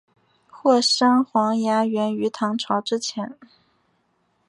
霍山黄芽源于唐朝之前。